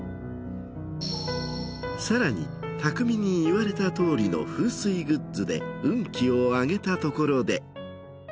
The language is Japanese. さらにたくみに言われたとおりの風水グッズで運気を上げたところで。